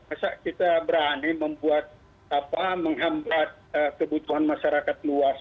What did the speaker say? masa kita berani membuat apa menghambat kebutuhan masyarakat luas